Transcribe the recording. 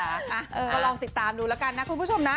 อ่ะก็ลองติดตามดูแล้วกันนะคุณผู้ชมนะ